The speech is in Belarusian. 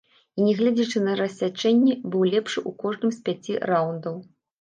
І, нягледзячы на рассячэнне, быў лепшы у кожным з пяці раўндаў.